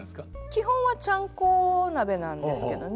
基本はちゃんこ鍋なんですけどね。